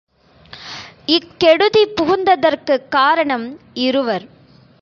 இக் கெடுதி புகுந்ததற்குக் காரணம் இருவர்.